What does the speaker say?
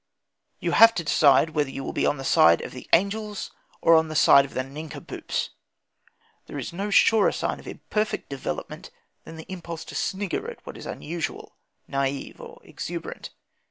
You have to decide whether you will be on the side of the angels or on the side of the nincompoops. There is no surer sign of imperfect development than the impulse to snigger at what is unusual, naïve, or exuberant.